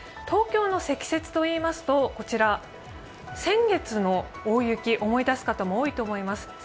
東京の積雪といいますと先月の大雪を思い出す方、多いと思います。